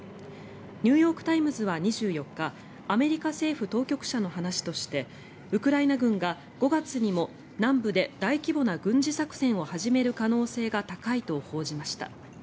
ニューヨーク・タイムズは２４日アメリカ政府当局者の話としてウクライナ軍が５月にも南部で大規模な軍事作戦を始める可能性が高いと報じました。